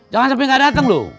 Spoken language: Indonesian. jangan sampai ga datang lu